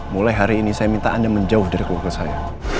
mulai hari ini saya minta anda menjauh dari keluarga saya